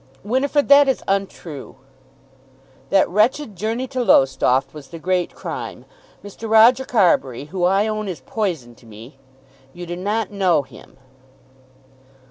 "Winifrid, that is untrue." "That wretched journey to Lowestoft was the great crime. Mr. Roger Carbury, who I own is poison to me " "You do not know him."